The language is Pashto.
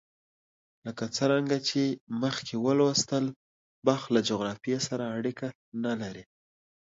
لکه څرنګه چې مخکې ولوستل، بخت له جغرافیې سره اړیکه نه لري.